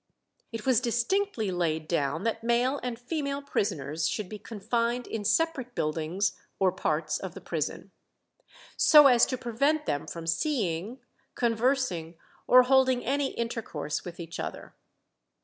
It was distinctly laid down that male and female prisoners should be confined in separate buildings or parts of the prison, "so as to prevent them from seeing, conversing, or holding any intercourse with each other."